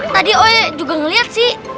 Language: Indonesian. tadi oe juga ngeliat sih